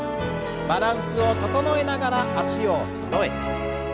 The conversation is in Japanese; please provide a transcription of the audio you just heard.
バランスを整えながら脚をそろえて。